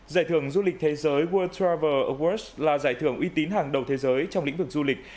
giải thưởng du lịch thế giới world travel awards là giải thưởng uy tín hàng đầu thế giới trong lĩnh vực du lịch